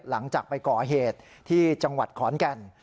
หลังจากไปก่อเหตุที่จังหวัดขอนแก่น